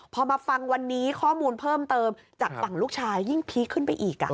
พอมาฟังวันนี้ข้อมูลเพิ่มเติมจากฝั่งลูกชายยิ่งพีคขึ้นไปอีก